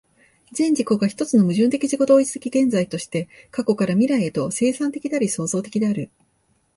全自己が一つの矛盾的自己同一的現在として、過去から未来へと、生産的であり創造的である。